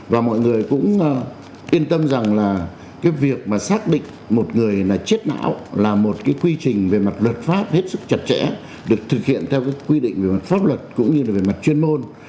và mọi người cũng yên tâm rằng là cái việc mà xác định một người là chết não là một cái quy trình về mặt luật pháp hết sức chặt chẽ được thực hiện theo cái quy định về mặt pháp luật cũng như là về mặt chuyên môn